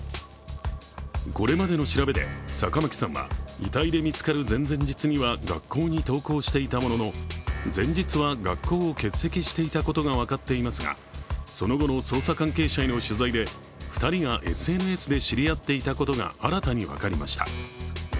これまでの調べで、坂巻さんは遺体で見つかる前々日には学校に登校していたものの前日は学校を欠席していたことが分かっていますがその後の捜査関係者への取材で２人がＳＮＳで知り合っていたことが新たに分かりました。